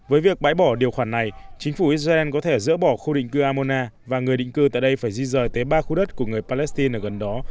với việc bãi bỏ điều khoản này chính phủ israel có thể dỡ bỏ khu định cư amona và người định cư tại đây phải di rời tới ba khu đất của người palestine ở gần đó